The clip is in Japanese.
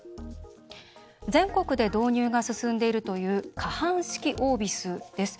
全国で導入が進んでいるという可搬式オービスです。